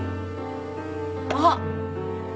あっ。